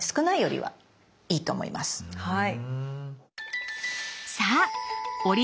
はい。